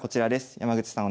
山口さん